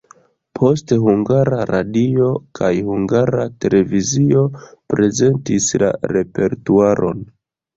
Poste Hungara Radio kaj Hungara Televizio prezentis la repertuaron.